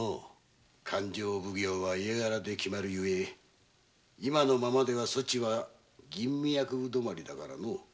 勘定奉行は家柄で決まる故今のままではソチは吟味役止まりだからのう。